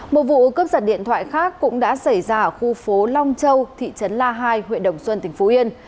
một vụ cướp giật điện thoại khác cũng đã xảy ra ở khu phố long châu thị trấn la hai huyện đồng xuân tỉnh phú yên